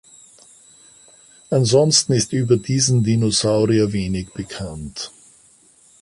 Ansonsten ist über diesen Dinosaurier wenig bekannt.